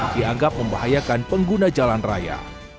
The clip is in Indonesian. dianggap membahayakan pengguna jalan raya